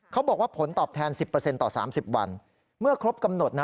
เขาบอกว่าผลตอบแทน๑๐ต่อ๓๐วันเมื่อครบกำหนดนะ